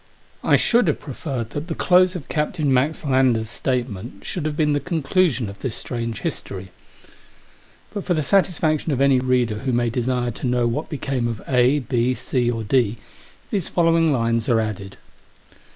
I SHOULD have preferred that the close of Captain Max Lander's statement should have been the con clusion of this strange history. But for the satis faction of any reader who may desire to know what became of A, B, C, or D, these following lines are added.